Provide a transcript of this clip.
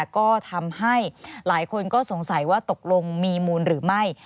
ก็ทำให้หลายคนก็สงสัยว่าตกลงมีมูลหรือไม่